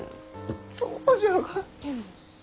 そうじゃが。